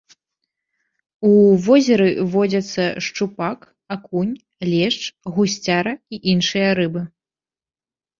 У возеры водзяцца шчупак, акунь, лешч, гусцяра і іншыя рыбы.